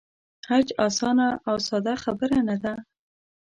حج آسانه او ساده خبره نه ده.